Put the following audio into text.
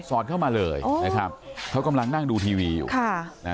อดเข้ามาเลยนะครับเขากำลังนั่งดูทีวีอยู่ค่ะนะ